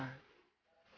acing kos di rumah aku